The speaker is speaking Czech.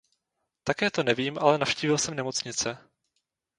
Také to nevím, ale navštívil jsem nemocnice.